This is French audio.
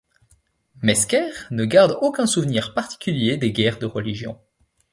Mesquer ne garde aucun souvenir particulier des guerres de religion.